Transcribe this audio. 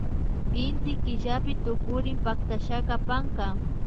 Inty killapi tukurin pactashaka panka